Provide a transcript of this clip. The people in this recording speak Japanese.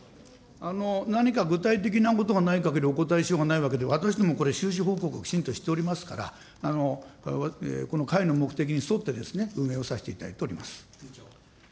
何か具体的なことがないかぎり、お答えしようがないわけで、私どもこれ、収支報告をきちんとしておりますから、この会の目的に沿って、運営をさせていただいております。